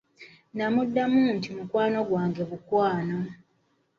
Nnamuddamu nti mukwano gwange bukwano.